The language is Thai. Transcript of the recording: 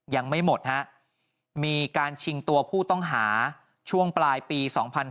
ยังไม่หมดฮะมีการชิงตัวผู้ต้องหาช่วงปลายปี๒๕๕๙